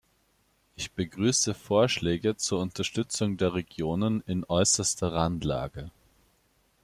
Ich begrüße Vorschläge zur Unterstützung der Regionen in äußerster Randlage.